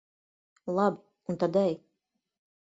Labi, un tad ej.